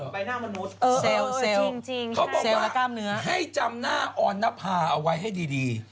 การเปลี่ยนแปลงของเราไปหน้ามนุษย์เออเออเออจริงจริงเขาบอกว่าให้จำหน้าออนนภาเอาไว้ให้ดีดี